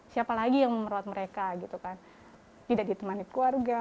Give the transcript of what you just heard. siapa lagi yang merawat mereka gitu kan tidak ditemani keluarga